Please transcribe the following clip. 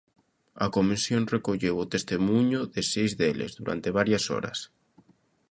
A comisión recolleu o testemuño de seis deles, durante varias horas.